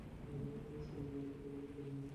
Sir, আমি আপনাকে ভিতরে যেতে দিতে পারি।